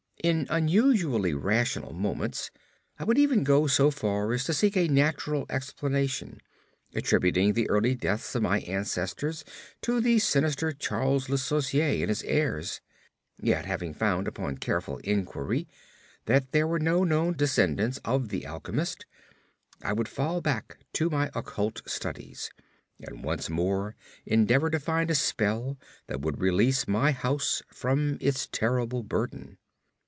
In unusually rational moments, I would even go so far as to seek a natural explanation, attributing the early deaths of my ancestors to the sinister Charles Le Sorcier and his heirs; yet having found upon careful inquiry that there were no known descendants of the alchemist, I would fall back to my occult studies, and once more endeavour to find a spell that would release my house from its terrible burden.